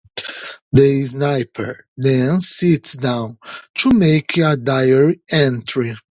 The sniper then sits down to make a diary entry.